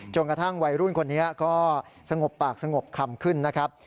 กระทั่งวัยรุ่นคนนี้ก็สงบปากสงบคำขึ้นนะครับ